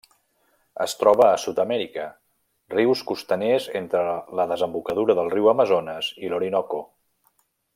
Es troba a Sud-amèrica: rius costaners entre la desembocadura del riu Amazones i l'Orinoco.